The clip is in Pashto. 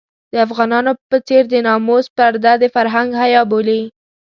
د افغانانو په څېر د ناموس پرده د فرهنګ حيا بولي.